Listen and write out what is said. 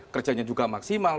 kerjanya juga maksimal